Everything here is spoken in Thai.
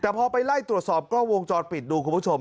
แต่พอไปไล่ตรวจสอบกล้องวงจรปิดดูคุณผู้ชม